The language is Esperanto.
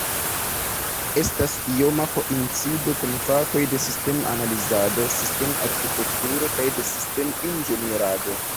Estas ioma koincido kun fakoj de sistem-analizado, sistem-arkitekturo kaj de sistem-inĝenierado.